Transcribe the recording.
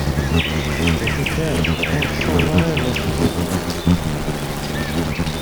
D acu kan ur tessaweḍ ara ad asent-id-tini.